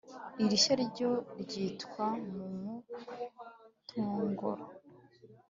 irishya ryo ryitwa "mu mutongoro".